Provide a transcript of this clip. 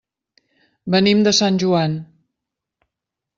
Venim de Sant Joan.